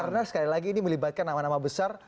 karena sekali lagi ini melibatkan nama nama besar